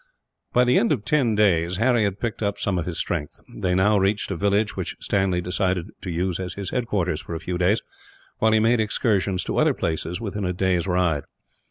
By the end of ten days, Harry had picked up some of his strength. They now reached a village which Stanley decided to use as his headquarters, for a few days, while he made excursions to other places within a day's ride.